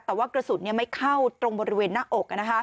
แต่ว่ากระสุนไม่เข้าตรงบริเวณหน้าอก